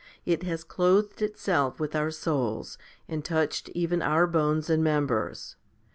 It has clothed itself with our souls, and touched even our bones and members.